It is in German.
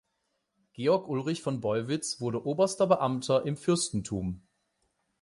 Georg Ulrich von Beulwitz wurde oberster Beamter im Fürstentum.